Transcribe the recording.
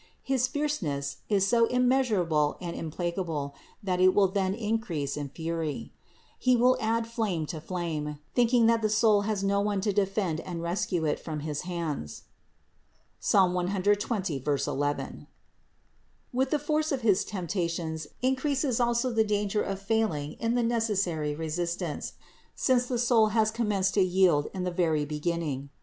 His fierceness is so immeasurable and implacable that it will then increase in fury. He will add flame to flame, thinking that the soul has no one to defend and rescue it from his hands (Ps. 120, 11). With the force of his temptations increases also the danger of failing in the necessary resistance, since the soul has commenced to yield in the very beginning.